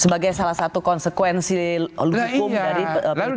sebagai salah satu konsekuensi hukum dari pemerintah